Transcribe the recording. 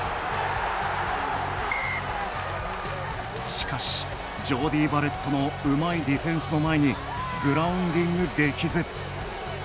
しかしジョーディー・バレットのうまいディフェンスの前にグラウンディングできず。